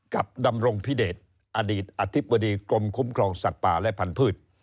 ดำรงพิเดชอดีตอธิบดีกรมคุ้มครองสัตว์ป่าและพันธุ์